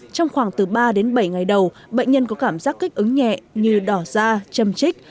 trong khoảng từ ba đến bảy ngày đầu bệnh nhân có cảm giác kích ứng nhẹ như đỏ da châm trích